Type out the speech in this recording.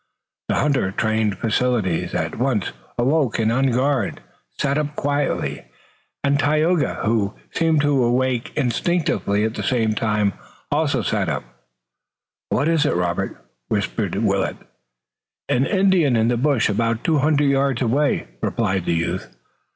The hunter, his trained faculties at once awake and on guard, sat up quietly, and Tayoga, who seemed to awake instinctively at the same time, also, sat up. "What is it, Robert?" whispered Willet. "An Indian in the bush about two hundred yards away," replied the youth.